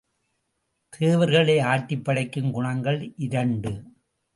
தேவர்களை ஆட்டிப்படைக்கும் குணங்கள் இரண்டு.